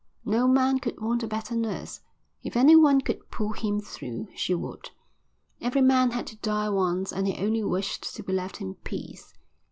No man could want a better nurse; if anyone could pull him through she would. Every man had to die once and he only wished to be left in peace.